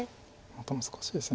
また難しいです